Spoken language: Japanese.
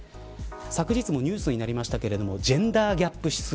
昨日もニュースになりましたけれどもジェンダー・ギャップ指数